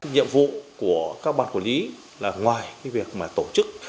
nhiệm vụ của các bản quản lý là ngoài việc tổ chức